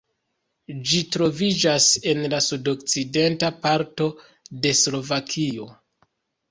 Ĝi troviĝas en la sudokcidenta parto de Slovakio.